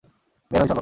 বের হই চলো!